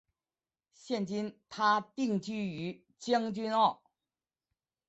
现今她定居于将军澳。